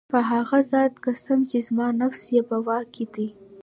په هغه ذات قسم چي زما نفس ئې په واك كي دی